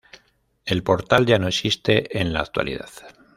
El portal ya no existe en la actualidad.